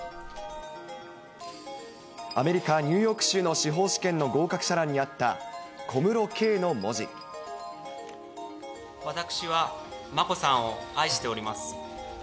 アメリカ・ニューヨーク州の司法試験の合格者欄にあったコム私は眞子さんを愛しております。